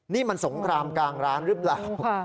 นี่มันสงครามกลางร้านหรือเปล่า